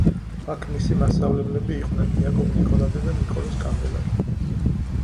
აქ მისი მასწავლებლები იყვნენ იაკობ ნიკოლაძე და ნიკოლოზ კანდელაკი.